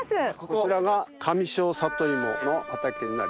こちらが上庄さといもの畑になります。